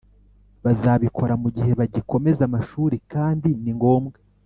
Bazabikora mu gihe bagikomeza amashuri kandi ni ngombwa